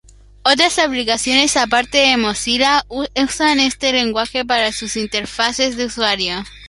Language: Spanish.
Otras aplicaciones aparte de Mozilla usan este lenguaje para sus interfaces de usuario.